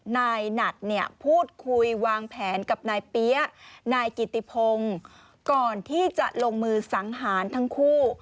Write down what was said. นายหนัดเนี่ยพูดคุยวางแผนกับนายเปี๊ยะนายกิติพงศ์ก่อนที่จะลงมือสังหารทั้งคู่